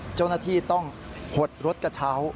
เจ้าหน้าที่ต้องหดรถกระเช้า